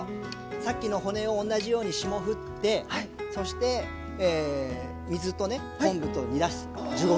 さっきの骨をおんなじように霜降ってそして水とね昆布と煮出す１５分ぐらい。